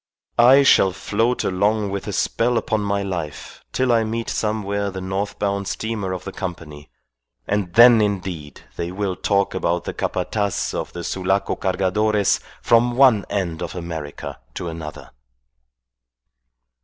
I shall float along with a spell upon my life till I meet somewhere the north bound steamer of the Company, and then indeed they will talk about the Capataz of the Sulaco Cargadores from one end of America to another."